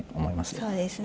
そうですね。